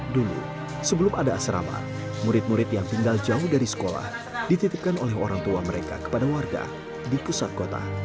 dulu sebelum ada asrama murid murid yang tinggal jauh dari sekolah dititipkan oleh orang tua mereka kepada warga di pusat kota